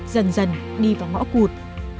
dần dần đi vào ngõ cụt